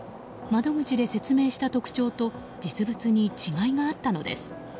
窓口で説明した特徴と実物に違いがあったのです。